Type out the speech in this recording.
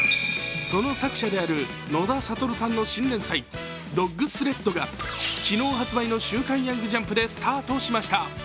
その作者である野田サトルさんの新連載「ドッグスレッド」が昨日発売の「週刊ヤングジャンプ」でスタートしました。